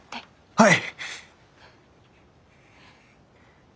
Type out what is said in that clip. はい！